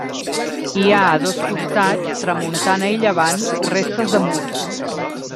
Hi ha a dos costats, tramuntana i llevant, restes de murs.